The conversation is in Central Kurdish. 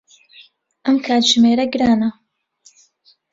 ئەم کاتژمێرە گرانە.